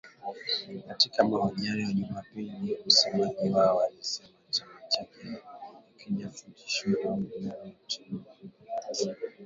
Katika mahojiano ya Jumapili ,msemaji wao alisema chama chake hakijafurahishwa na upendeleo wa tume ya uchaguzi ya Zimbabwe.